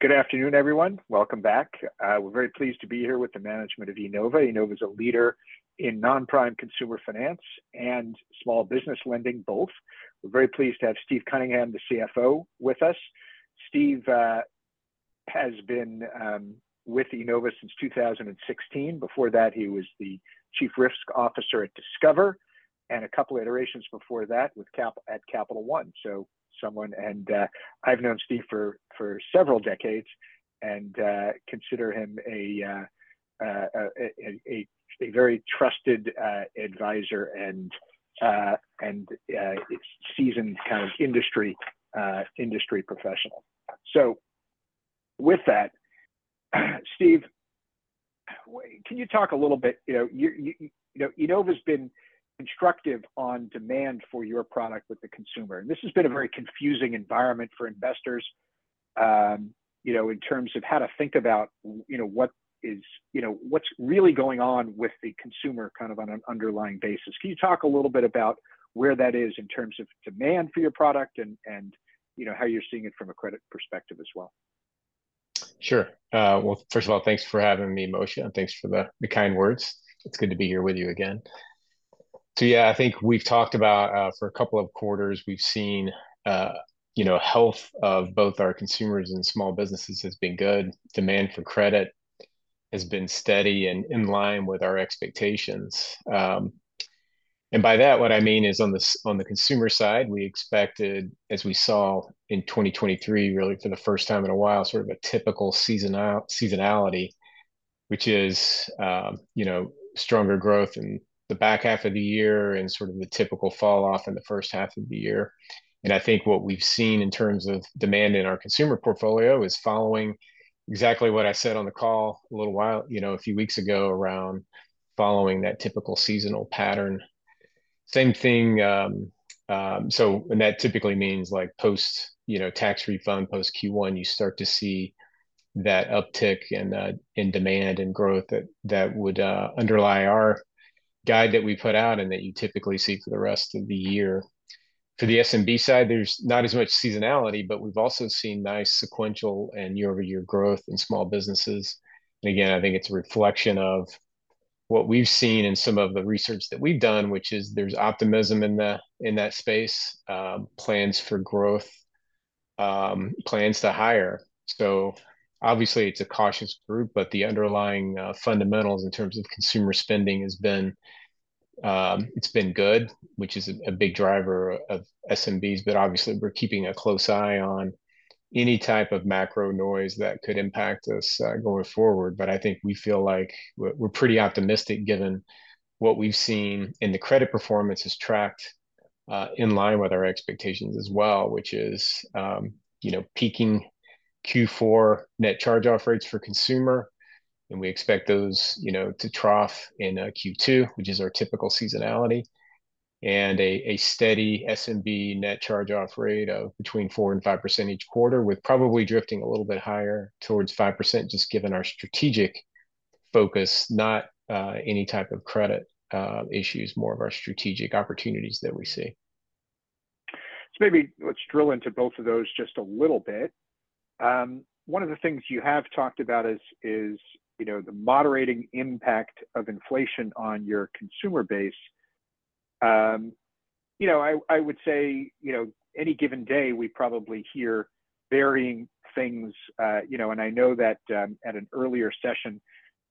Good afternoon, everyone. Welcome back. We're very pleased to be here with the management of Enova. Enova is a leader in non-prime consumer finance and small business lending, both. We're very pleased to have Steve Cunningham, the CFO, with us. Steve has been with Enova since 2016. Before that, he was the Chief Risk Officer at Discover and a couple of iterations before that at Capital One. So I've known Steve for several decades and consider him a very trusted advisor and seasoned kind of industry professional. So with that, Steve, can you talk a little bit? Enova has been constructive on demand for your product with the consumer. And this has been a very confusing environment for investors in terms of how to think about what's really going on with the consumer kind of on an underlying basis. Can you talk a little bit about where that is in terms of demand for your product and how you're seeing it from a credit perspective as well? Sure. Well, first of all, thanks for having me, Moshe, and thanks for the kind words. It's good to be here with you again. So yeah, I think we've talked about for a couple of quarters, we've seen health of both our consumers and small businesses has been good. Demand for credit has been steady and in line with our expectations. And by that, what I mean is on the consumer side, we expected, as we saw in 2023, really for the first time in a while, sort of a typical seasonality, which is stronger growth in the back half of the year and sort of the typical falloff in the first half of the year. I think what we've seen in terms of demand in our consumer portfolio is following exactly what I said on the call a little while, a few weeks ago around following that typical seasonal pattern. Same thing. That typically means post-tax refund, post-Q1, you start to see that uptick in demand and growth that would underlie our guide that we put out and that you typically see for the rest of the year. For the SMB side, there's not as much seasonality, but we've also seen nice sequential and year-over-year growth in small businesses. Again, I think it's a reflection of what we've seen in some of the research that we've done, which is there's optimism in that space, plans for growth, plans to hire. So obviously, it's a cautious group, but the underlying fundamentals in terms of consumer spending has been good, which is a big driver of SMBs. But obviously, we're keeping a close eye on any type of macro noise that could impact us going forward. But I think we feel like we're pretty optimistic given what we've seen in the credit performance has tracked in line with our expectations as well, which is peaking Q4 net charge-off rates for consumer. And we expect those to trough in Q2, which is our typical seasonality, and a steady SMB net charge-off rate of between 4% and 5% each quarter, with probably drifting a little bit higher towards 5% just given our strategic focus, not any type of credit issues, more of our strategic opportunities that we see. So maybe let's drill into both of those just a little bit. One of the things you have talked about is the moderating impact of inflation on your consumer base. I would say any given day, we probably hear varying things. And I know that at an earlier session,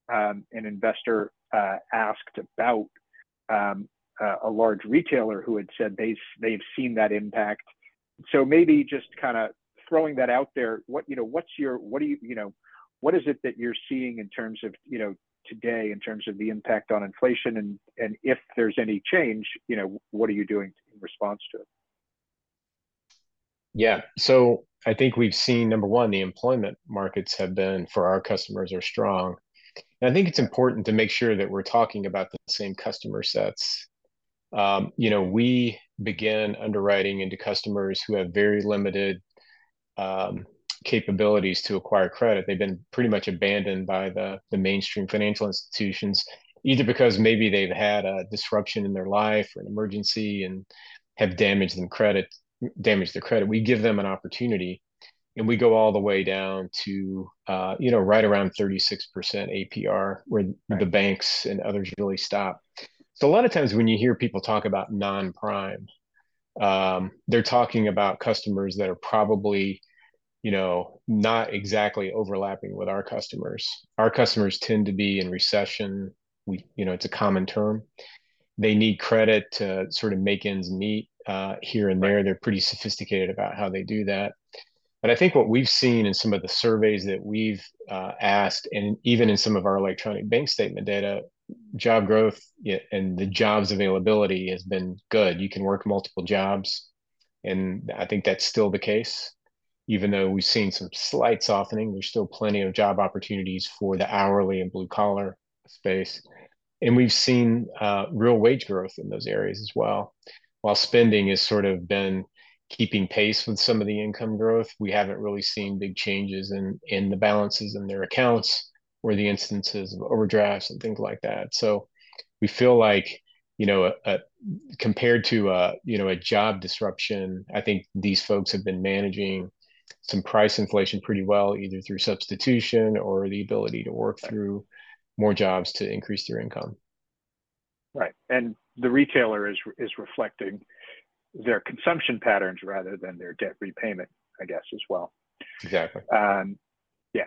an investor asked about a large retailer who had said they've seen that impact. So maybe just kind of throwing that out there, what is it that you're seeing in terms of today in terms of the impact on inflation? And if there's any change, what are you doing in response to it? Yeah. So I think we've seen, number one, the employment markets have been for our customers are strong. And I think it's important to make sure that we're talking about the same customer sets. We begin underwriting into customers who have very limited capabilities to acquire credit. They've been pretty much abandoned by the mainstream financial institutions, either because maybe they've had a disruption in their life or an emergency and have damaged their credit. We give them an opportunity, and we go all the way down to right around 36% APR where the banks and others really stop. So a lot of times when you hear people talk about non-prime, they're talking about customers that are probably not exactly overlapping with our customers. Our customers tend to be in recession. It's a common term. They need credit to sort of make ends meet here and there. They're pretty sophisticated about how they do that. But I think what we've seen in some of the surveys that we've asked, and even in some of our electronic bank statement data, job growth and the jobs availability has been good. You can work multiple jobs. And I think that's still the case, even though we've seen some slight softening. There's still plenty of job opportunities for the hourly and blue-collar space. And we've seen real wage growth in those areas as well. While spending has sort of been keeping pace with some of the income growth, we haven't really seen big changes in the balances in their accounts or the instances of overdrafts and things like that. We feel like compared to a job disruption, I think these folks have been managing some price inflation pretty well, either through substitution or the ability to work through more jobs to increase their income. Right. The retailer is reflecting their consumption patterns rather than their debt repayment, I guess, as well. Exactly. Yeah.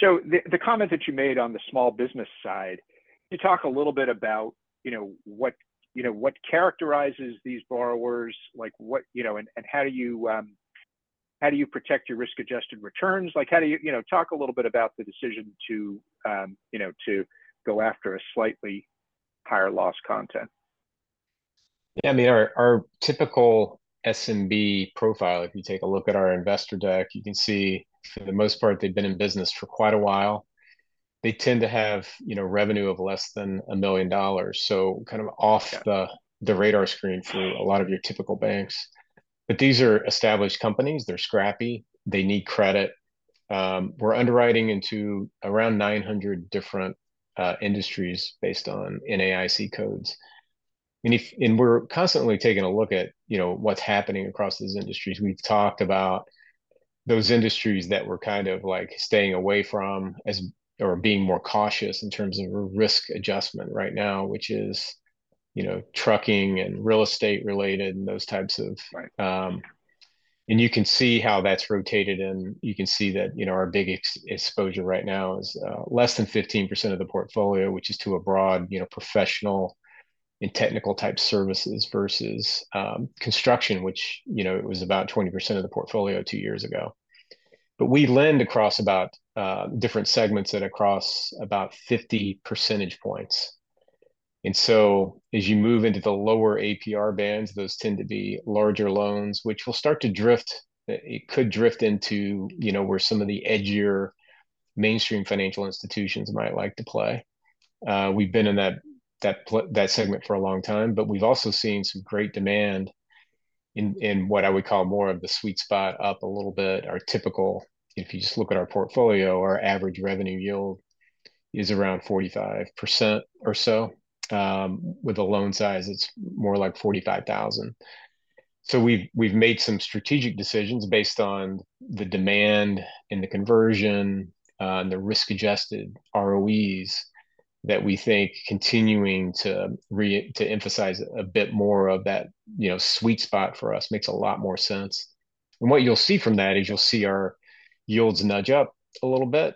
So the comment that you made on the small business side, could you talk a little bit about what characterizes these borrowers? And how do you protect your risk-adjusted returns? Talk a little bit about the decision to go after a slightly higher loss content. Yeah. I mean, our typical SMB profile, if you take a look at our investor deck, you can see for the most part, they've been in business for quite a while. They tend to have revenue of less than $1 million, so kind of off the radar screen for a lot of your typical banks. But these are established companies. They're scrappy. They need credit. We're underwriting into around 900 different industries based on NAICS codes. And we're constantly taking a look at what's happening across these industries. We've talked about those industries that we're kind of staying away from or being more cautious in terms of risk adjustment right now, which is trucking and real estate-related and those types of. And you can see how that's rotated. You can see that our big exposure right now is less than 15% of the portfolio, which is to a broad professional and technical-type services versus construction, which it was about 20% of the portfolio two years ago. But we lend across different segments at across about 50 percentage points. So as you move into the lower APR bands, those tend to be larger loans, which will start to drift. It could drift into where some of the edgier mainstream financial institutions might like to play. We've been in that segment for a long time, but we've also seen some great demand in what I would call more of the sweet spot up a little bit. Our typical, if you just look at our portfolio, our average revenue yield is around 45% or so. With a loan size, it's more like $45,000. We've made some strategic decisions based on the demand and the conversion and the risk-adjusted ROEs that we think continuing to emphasize a bit more of that sweet spot for us makes a lot more sense. What you'll see from that is you'll see our yields nudge up a little bit.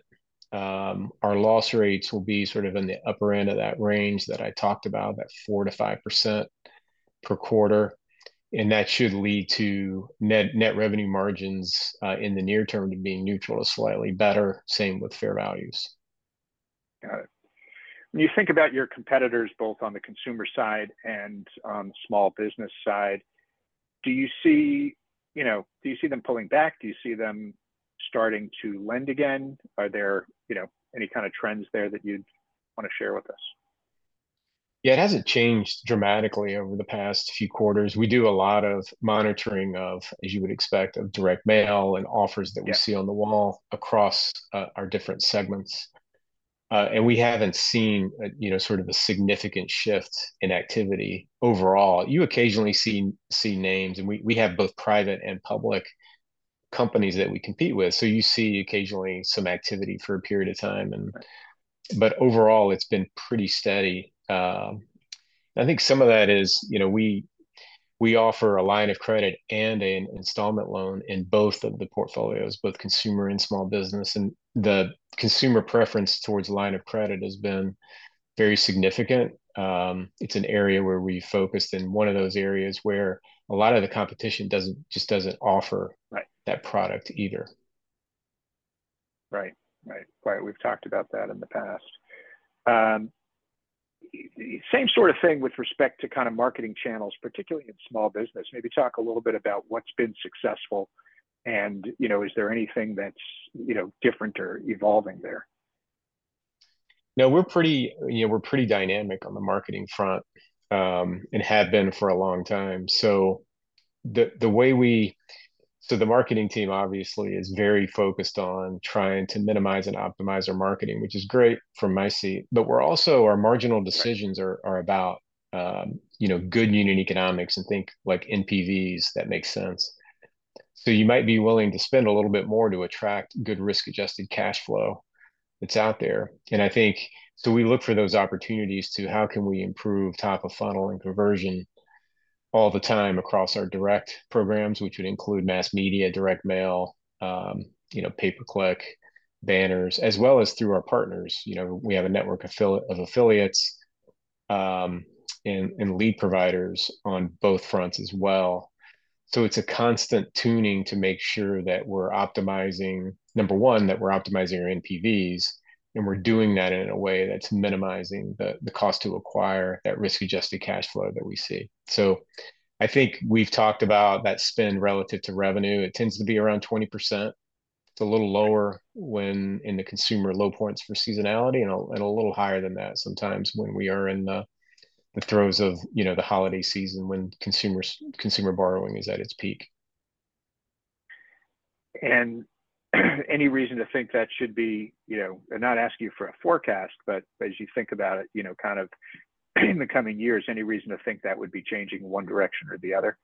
Our loss rates will be sort of in the upper end of that range that I talked about, that 4%-5% per quarter. That should lead to net revenue margins in the near term to being neutral to slightly better, same with fair values. Got it. When you think about your competitors both on the consumer side and on the small business side, do you see them pulling back? Do you see them starting to lend again? Are there any kind of trends there that you'd want to share with us? Yeah. It hasn't changed dramatically over the past few quarters. We do a lot of monitoring of, as you would expect, of direct mail and offers that we see on the wall across our different segments. We haven't seen sort of a significant shift in activity overall. You occasionally see names, and we have both private and public companies that we compete with. You see occasionally some activity for a period of time. Overall, it's been pretty steady. I think some of that is we offer a line of credit and an installment loan in both of the portfolios, both consumer and small business. The consumer preference towards line of credit has been very significant. It's an area where we focused in one of those areas where a lot of the competition just doesn't offer that product either. Right. Right. Right. We've talked about that in the past. Same sort of thing with respect to kind of marketing channels, particularly in small business. Maybe talk a little bit about what's been successful, and is there anything that's different or evolving there? No, we're pretty dynamic on the marketing front and have been for a long time. So the marketing team, obviously, is very focused on trying to minimize and optimize our marketing, which is great from my seat. But our marginal decisions are about good unit economics and things like NPVs that make sense. So you might be willing to spend a little bit more to attract good risk-adjusted cash flow that's out there. And I think so we look for those opportunities to how can we improve top of funnel and conversion all the time across our direct programs, which would include mass media, direct mail, pay-per-click banners, as well as through our partners. We have a network of affiliates and lead providers on both fronts as well. So it's a constant tuning to make sure that we're optimizing, number one, that we're optimizing our NPVs, and we're doing that in a way that's minimizing the cost to acquire that risk-adjusted cash flow that we see. So I think we've talked about that spend relative to revenue. It tends to be around 20%. It's a little lower when in the consumer low points for seasonality and a little higher than that sometimes when we are in the throes of the holiday season when consumer borrowing is at its peak. Any reason to think that should be not asking you for a forecast, but as you think about it kind of in the coming years, any reason to think that would be changing one direction or the other?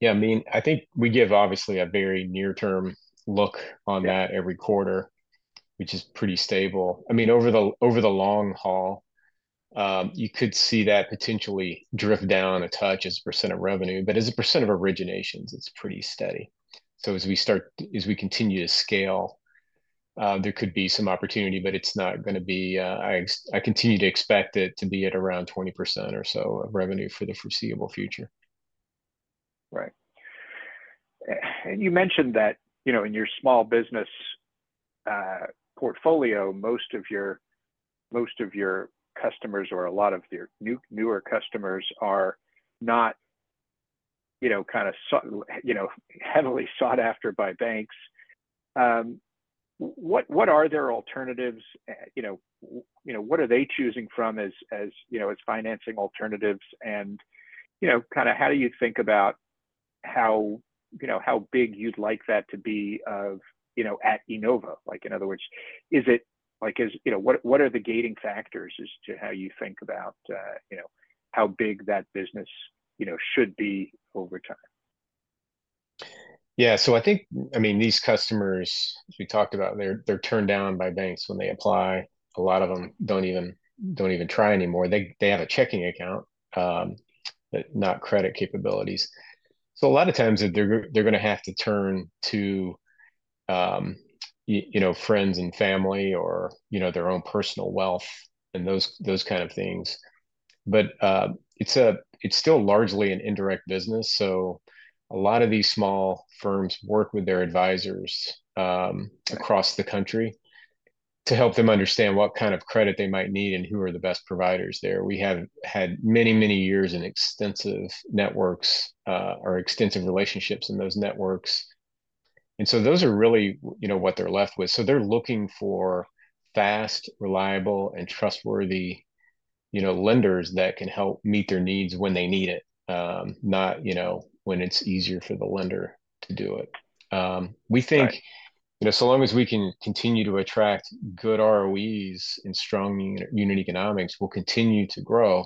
Yeah. I mean, I think we give obviously a very near-term look on that every quarter, which is pretty stable. I mean, over the long haul, you could see that potentially drift down a touch as a percent of revenue. But as a percent of originations, it's pretty steady. So as we continue to scale, there could be some opportunity, but it's not going to be. I continue to expect it to be at around 20% or so of revenue for the foreseeable future. Right. You mentioned that in your small business portfolio, most of your customers or a lot of your newer customers are not kind of heavily sought after by banks. What are their alternatives? What are they choosing from as financing alternatives? And kind of how do you think about how big you'd like that to be at Enova? In other words, is it what are the gating factors as to how you think about how big that business should be over time? Yeah. So I think, I mean, these customers, as we talked about, they're turned down by banks when they apply. A lot of them don't even try anymore. They have a checking account, but not credit capabilities. So a lot of times, they're going to have to turn to friends and family or their own personal wealth and those kind of things. But it's still largely an indirect business. So a lot of these small firms work with their advisors across the country to help them understand what kind of credit they might need and who are the best providers there. We have had many, many years in extensive networks or extensive relationships in those networks. And so those are really what they're left with. So they're looking for fast, reliable, and trustworthy lenders that can help meet their needs when they need it, not when it's easier for the lender to do it. We think so long as we can continue to attract good ROEs and strong unit economics, we'll continue to grow.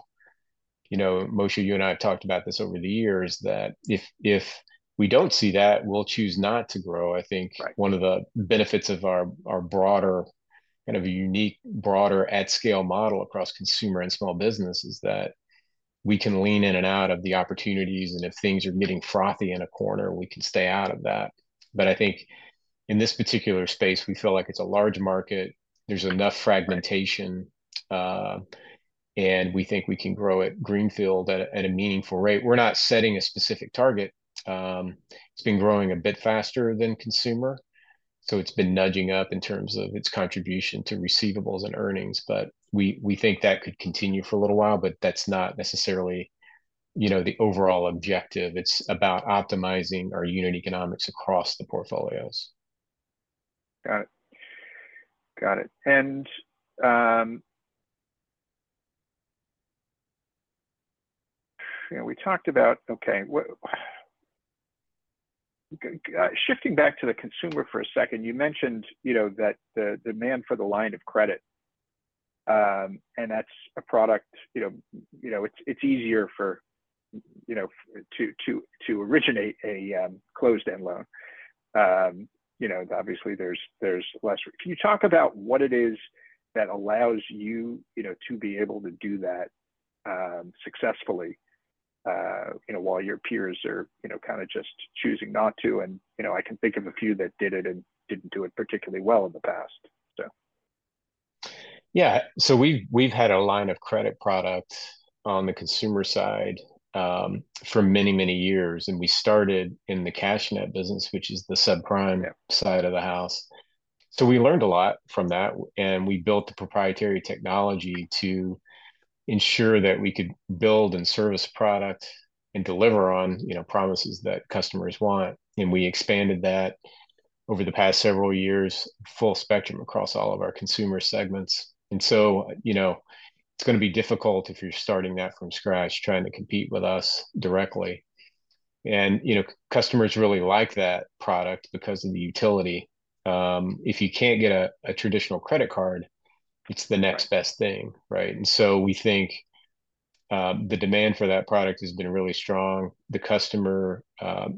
Moshe, you and I have talked about this over the years that if we don't see that, we'll choose not to grow. I think one of the benefits of our broader kind of unique broader at-scale model across consumer and small business is that we can lean in and out of the opportunities. And if things are getting frothy in a corner, we can stay out of that. But I think in this particular space, we feel like it's a large market. There's enough fragmentation, and we think we can grow at greenfield at a meaningful rate. We're not setting a specific target. It's been growing a bit faster than consumer. So it's been nudging up in terms of its contribution to receivables and earnings. But we think that could continue for a little while, but that's not necessarily the overall objective. It's about optimizing our unit economics across the portfolios. Got it. Got it. And we talked about, okay, shifting back to the consumer for a second, you mentioned that the demand for the line of credit, and that's a product it's easier for to originate a closed-end loan. Obviously, there's less. Can you talk about what it is that allows you to be able to do that successfully while your peers are kind of just choosing not to? And I can think of a few that did it and didn't do it particularly well in the past, so. Yeah. So we've had a line of credit product on the consumer side for many, many years. And we started in the CashNet business, which is the subprime side of the house. So we learned a lot from that. And we built the proprietary technology to ensure that we could build and service product and deliver on promises that customers want. And we expanded that over the past several years, full spectrum across all of our consumer segments. And so it's going to be difficult if you're starting that from scratch, trying to compete with us directly. And customers really like that product because of the utility. If you can't get a traditional credit card, it's the next best thing, right? And so we think the demand for that product has been really strong. The customer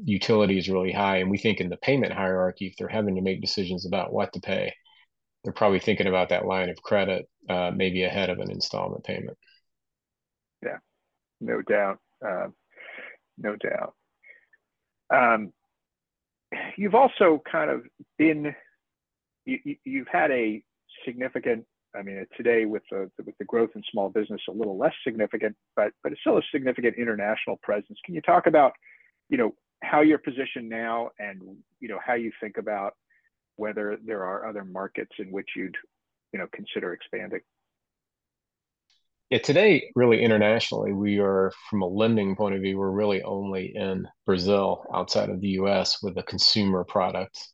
utility is really high. We think in the payment hierarchy, if they're having to make decisions about what to pay, they're probably thinking about that line of credit maybe ahead of an installment payment. Yeah. No doubt. No doubt. You've also kind of had a significant—I mean, today with the growth in small business, a little less significant, but still a significant international presence. Can you talk about how you're positioned now and how you think about whether there are other markets in which you'd consider expanding? Yeah. Today, really internationally, we are from a lending point of view, we're really only in Brazil outside of the U.S. with the consumer products.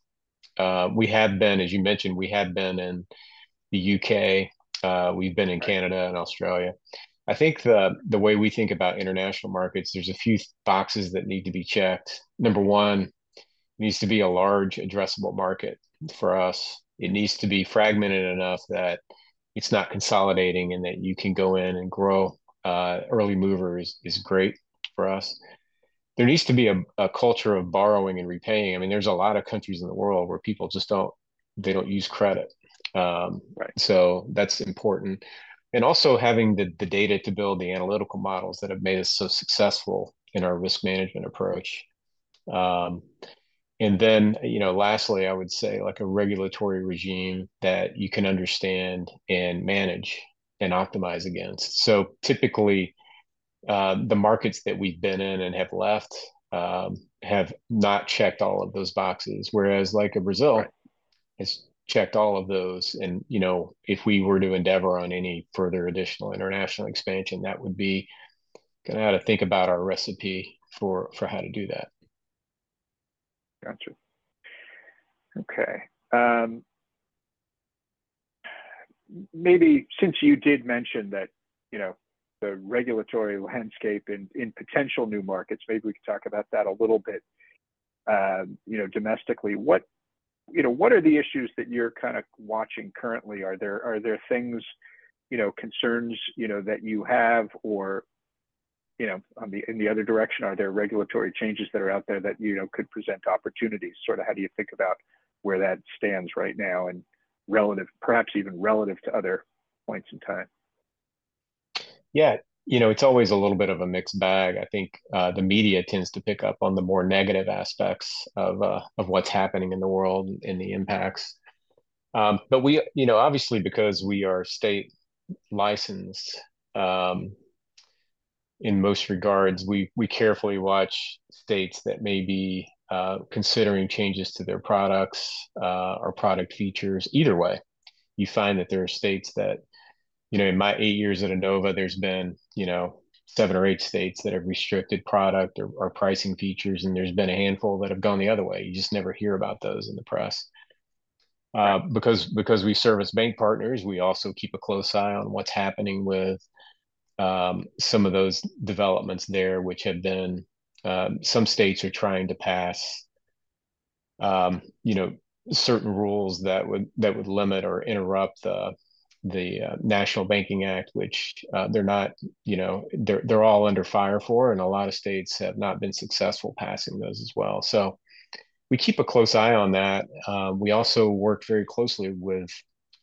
We have been, as you mentioned, we have been in the U.K. We've been in Canada and Australia. I think the way we think about international markets, there's a few boxes that need to be checked. Number one, it needs to be a large addressable market for us. It needs to be fragmented enough that it's not consolidating and that you can go in and grow. Early movers is great for us. There needs to be a culture of borrowing and repaying. I mean, there's a lot of countries in the world where people just don't. They don't use credit. So that's important. And also having the data to build the analytical models that have made us so successful in our risk management approach. And then lastly, I would say a regulatory regime that you can understand and manage and optimize against. So typically, the markets that we've been in and have left have not checked all of those boxes, whereas Brazil has checked all of those. And if we were to endeavor on any further additional international expansion, that would be going to have to think about our recipe for how to do that. Gotcha. Okay. Maybe since you did mention that the regulatory landscape in potential new markets, maybe we could talk about that a little bit domestically. What are the issues that you're kind of watching currently? Are there things, concerns that you have or in the other direction? Are there regulatory changes that are out there that could present opportunities? Sort of how do you think about where that stands right now and perhaps even relative to other points in time? Yeah. It's always a little bit of a mixed bag. I think the media tends to pick up on the more negative aspects of what's happening in the world and the impacts. But obviously, because we are state-licensed in most regards, we carefully watch states that may be considering changes to their products or product features. Either way, you find that there are states that in my eight years at Enova, there's been seven or eight states that have restricted product or pricing features, and there's been a handful that have gone the other way. You just never hear about those in the press. Because we serve as bank partners, we also keep a close eye on what's happening with some of those developments there, which have been, some states are trying to pass certain rules that would limit or interrupt the National Banking Act, which they're not, they're all under fire for, and a lot of states have not been successful passing those as well. So we keep a close eye on that. We also work very closely with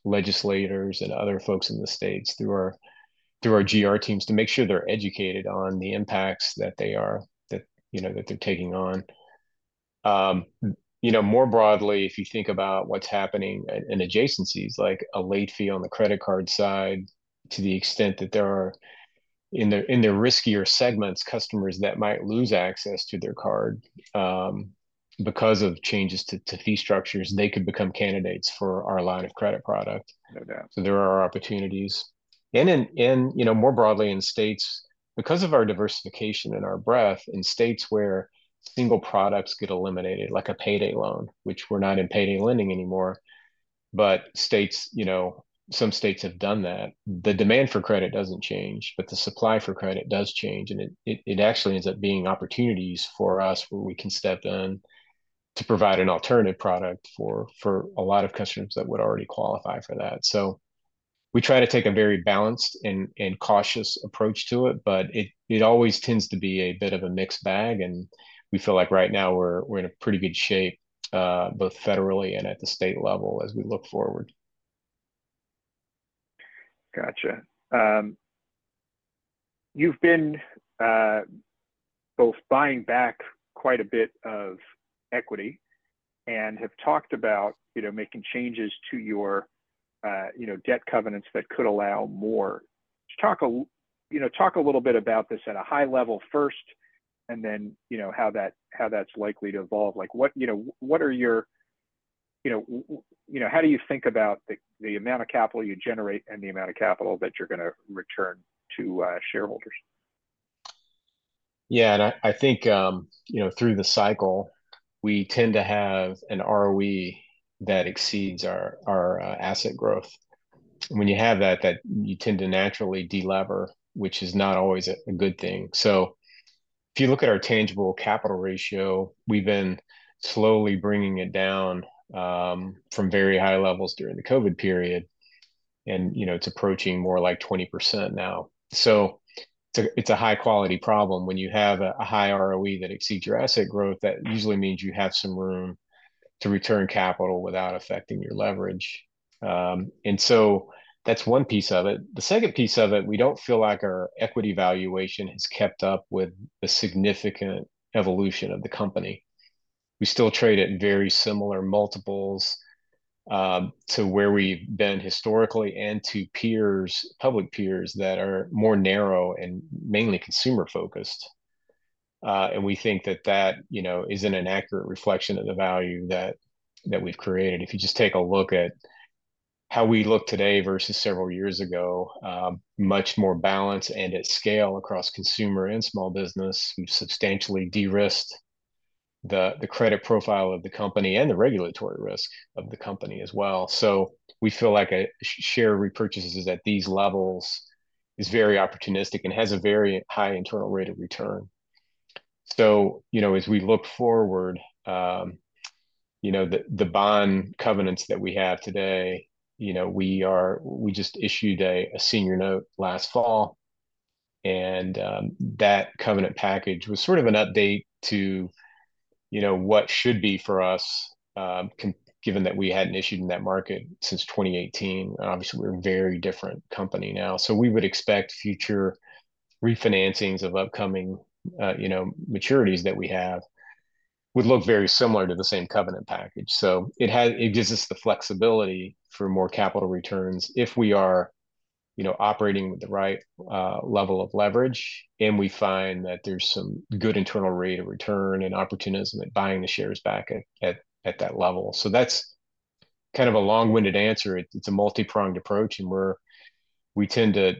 legislators and other folks in the states through our GR teams to make sure they're educated on the impacts that they're taking on. More broadly, if you think about what's happening in adjacencies like a late fee on the credit card side, to the extent that there are in the riskier segments, customers that might lose access to their card because of changes to fee structures, they could become candidates for our line of credit product. So there are opportunities. And more broadly in states, because of our diversification and our breadth, in states where single products get eliminated, like a payday loan, which we're not in payday lending anymore, but some states have done that, the demand for credit doesn't change, but the supply for credit does change. And it actually ends up being opportunities for us where we can step in to provide an alternative product for a lot of customers that would already qualify for that. We try to take a very balanced and cautious approach to it, but it always tends to be a bit of a mixed bag. We feel like right now we're in a pretty good shape, both federally and at the state level, as we look forward. Gotcha. You've been both buying back quite a bit of equity and have talked about making changes to your debt covenants that could allow more. Talk a little bit about this at a high level first and then how that's likely to evolve. What are your how do you think about the amount of capital you generate and the amount of capital that you're going to return to shareholders? Yeah. I think through the cycle, we tend to have an ROE that exceeds our asset growth. When you have that, you tend to naturally delever, which is not always a good thing. If you look at our tangible capital ratio, we've been slowly bringing it down from very high levels during the COVID period, and it's approaching more like 20% now. It's a high-quality problem. When you have a high ROE that exceeds your asset growth, that usually means you have some room to return capital without affecting your leverage. That's one piece of it. The second piece of it, we don't feel like our equity valuation has kept up with the significant evolution of the company. We still trade at very similar multiples to where we've been historically and to peers, public peers that are more narrow and mainly consumer-focused. We think that that isn't an accurate reflection of the value that we've created. If you just take a look at how we look today versus several years ago, much more balanced and at scale across consumer and small business, we've substantially de-risked the credit profile of the company and the regulatory risk of the company as well. We feel like a share repurchases at these levels is very opportunistic and has a very high internal rate of return. As we look forward, the bond covenants that we have today, we just issued a senior note last fall, and that covenant package was sort of an update to what should be for us, given that we hadn't issued in that market since 2018. Obviously, we're a very different company now. So we would expect future refinancings of upcoming maturities that we have would look very similar to the same covenant package. So it gives us the flexibility for more capital returns if we are operating with the right level of leverage and we find that there's some good internal rate of return and opportunism at buying the shares back at that level. So that's kind of a long-winded answer. It's a multi-pronged approach, and we tend to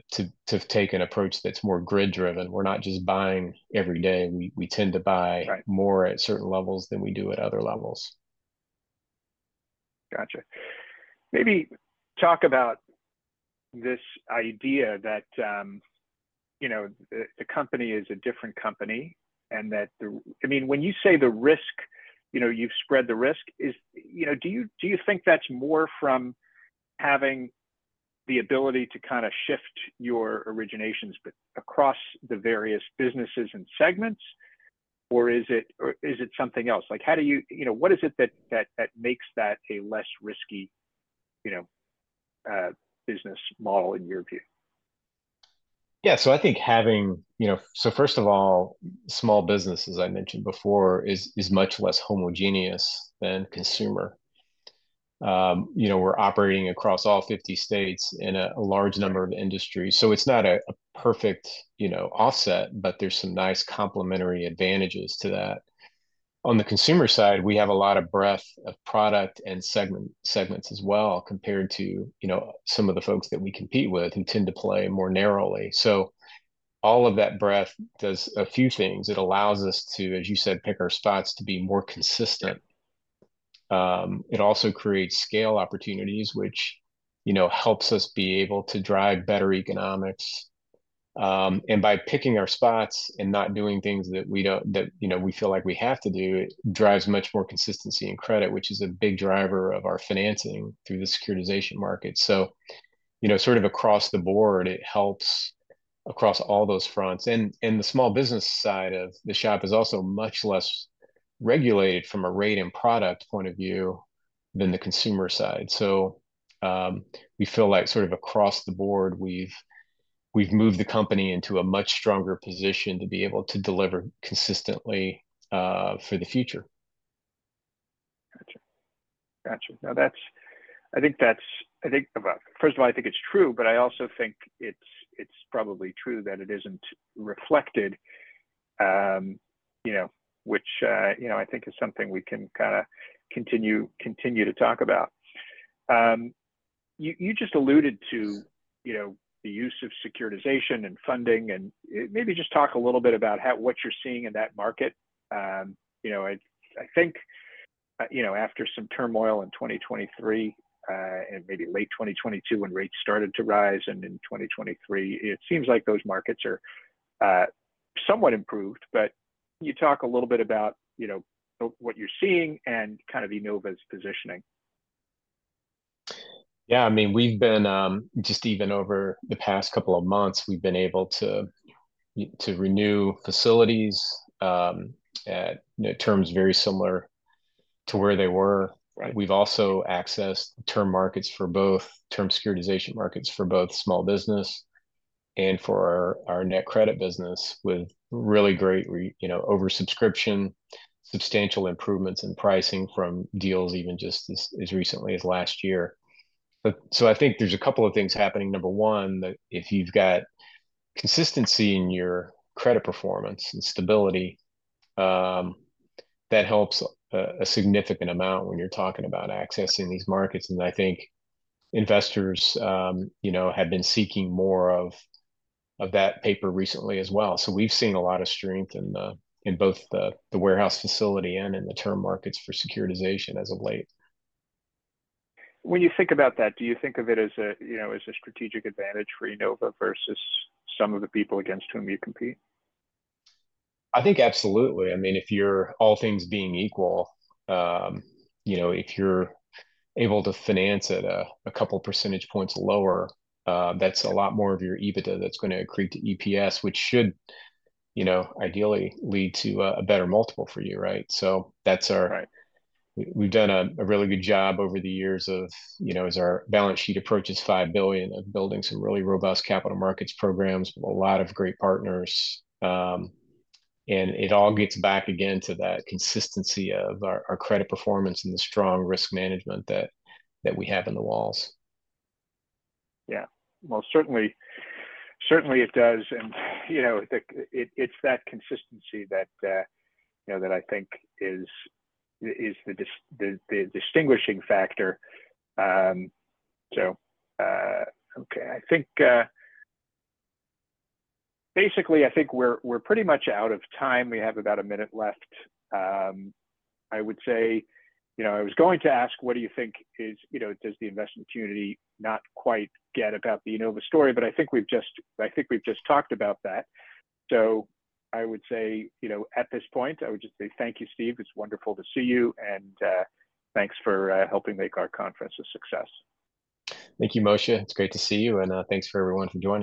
take an approach that's more grid-driven. We're not just buying every day. We tend to buy more at certain levels than we do at other levels. Gotcha. Maybe talk about this idea that the company is a different company and that, I mean, when you say the risk, you've spread the risk. Do you think that's more from having the ability to kind of shift your originations across the various businesses and segments, or is it something else? What is it that makes that a less risky business model in your view? Yeah. So I think having so first of all, small business, as I mentioned before, is much less homogeneous than consumer. We're operating across all 50 states in a large number of industries. So it's not a perfect offset, but there's some nice complementary advantages to that. On the consumer side, we have a lot of breadth of product and segments as well compared to some of the folks that we compete with who tend to play more narrowly. So all of that breadth does a few things. It allows us to, as you said, pick our spots to be more consistent. It also creates scale opportunities, which helps us be able to drive better economics. By picking our spots and not doing things that we feel like we have to do, it drives much more consistency in credit, which is a big driver of our financing through the securitization market. So sort of across the board, it helps across all those fronts. The small business side of the shop is also much less regulated from a rate and product point of view than the consumer side. We feel like sort of across the board, we've moved the company into a much stronger position to be able to deliver consistently for the future. Gotcha. Gotcha. Now, I think that's first of all, I think it's true, but I also think it's probably true that it isn't reflected, which I think is something we can kind of continue to talk about. You just alluded to the use of securitization and funding, and maybe just talk a little bit about what you're seeing in that market. I think after some turmoil in 2023 and maybe late 2022 when rates started to rise and in 2023, it seems like those markets are somewhat improved, but can you talk a little bit about what you're seeing and kind of Enova's positioning? Yeah. I mean, we've been just even over the past couple of months, we've been able to renew facilities at terms very similar to where they were. We've also accessed term markets for both term securitization markets for both small business and for our NetCredit business with really great oversubscription, substantial improvements in pricing from deals even just as recently as last year. So I think there's a couple of things happening. Number one, if you've got consistency in your credit performance and stability, that helps a significant amount when you're talking about accessing these markets. And I think investors have been seeking more of that paper recently as well. So we've seen a lot of strength in both the warehouse facility and in the term markets for securitization as of late. When you think about that, do you think of it as a strategic advantage for Enova versus some of the people against whom you compete? I think absolutely. I mean, if you're all things being equal, if you're able to finance at a couple of percentage points lower, that's a lot more of your EBITDA that's going to accrete to EPS, which should ideally lead to a better multiple for you, right? So we've done a really good job over the years as our balance sheet approaches $5 billion of building some really robust capital markets programs with a lot of great partners. And it all gets back again to that consistency of our credit performance and the strong risk management that we have in the walls. Yeah. Well, certainly it does. And it's that consistency that I think is the distinguishing factor. So okay. Basically, I think we're pretty much out of time. We have about a minute left. I would say I was going to ask, what do you think does the investment community not quite get about the Enova story? But I think we've just talked about that. So I would say at this point, I would just say thank you, Steve. It's wonderful to see you, and thanks for helping make our conference a success. Thank you, Moshe. It's great to see you, and thanks for everyone for joining.